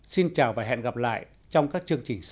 xin chào và hẹn gặp lại trong các chương trình sau